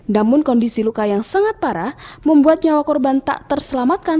namun kondisi luka yang sangat parah membuat nyawa korban tak terselamatkan